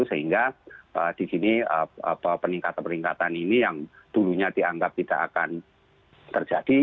sehingga di sini peningkatan peningkatan ini yang dulunya dianggap tidak akan terjadi